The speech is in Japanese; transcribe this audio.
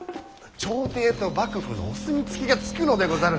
朝廷と幕府のお墨付きがつくのでござる！